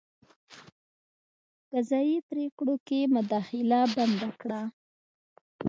په قضايي پرېکړو کې مداخله بنده کړه.